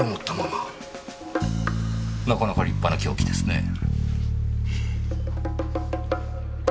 なかなか立派な凶器ですねぇ。